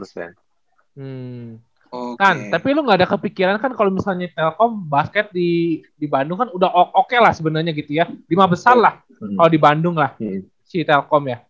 kan tapi lu gak ada kepikiran kan kalo misalnya telkom basket di bandung kan udah oke lah sebenarnya gitu ya lima besar lah kalo di bandung lah si telkom ya